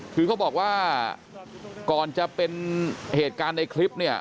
คือเขาบอกว่าก่อนจะเป็นเหตุการณ์ในคลิปเนี่ย